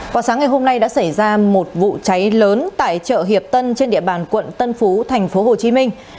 quả sáng ngày hôm nay đã xảy ra một vụ cháy lớn tại chợ hiệp tân trên địa bàn quận tân phú thành phố hồ chí minh